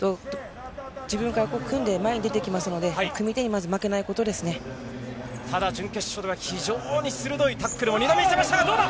自分から組んで前に出てきますので、組手にまず負けないことただ準決勝では、非常に鋭いタックル、２度見せましたが、どうだ？